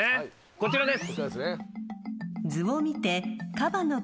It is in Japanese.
こちらです。